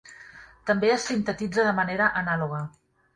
També es sintetitza de manera anàloga.